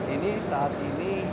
ini saat ini